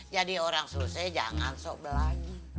jadi orang susah jangan sok belanja